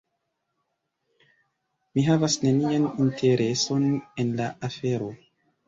Mi havas nenian intereson en la afero.